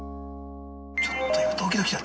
◆ちょっと今、ドキドキした。